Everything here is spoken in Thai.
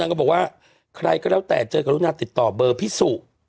นางก็บอกว่าใครก็แล้วแต่เจอกับผู้นักติดต่อเบอร์พิสุ